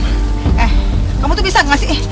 eh kamu tuh bisa gak sih